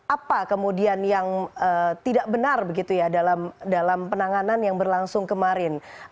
apa kemudian yang tidak benar begitu ya dalam penanganan yang berlangsung kemarin